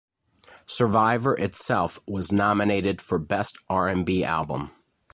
"Survivor" itself was nominated for Best R and B Album.